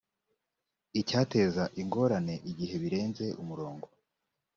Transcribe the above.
icyateza ingorane igihe birenze umurongo